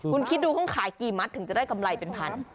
คุณคิดดูต้องขายกี่มัตต์ถึงจะได้กำไรเป็น๑๐๐๐บาท